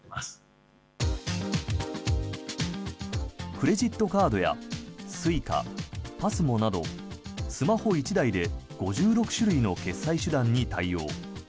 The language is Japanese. クレジットカードやＳｕｉｃａ、ＰＡＳＭＯなどスマホ１台で５６種類の決済手段に対応。